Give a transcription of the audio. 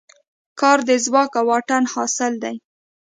کار د ځواک او واټن حاصل دی.